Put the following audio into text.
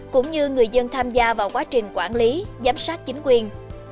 cũng như người dân tham gia vào quá trình quản lý giám sát chính quyền